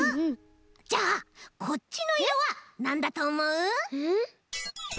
じゃあこっちのいろはなんだとおもう？